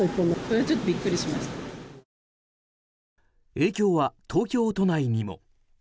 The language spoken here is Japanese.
影響は東京都内にも。